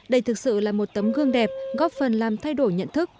đây thực sự là một tấm gương đẹp góp phần làm thay đổi nhận thức